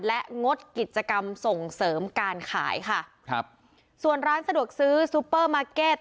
และงดกิจกรรมส่งเสริมการขายค่ะครับส่วนร้านสะดวกซื้อซูเปอร์มาร์เก็ต